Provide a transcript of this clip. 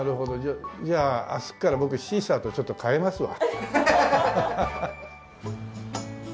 じゃあ明日から僕シーサーとちょっと替えますわ。